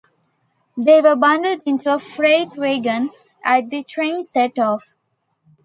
They were bundled into a freight wagon and the train set off.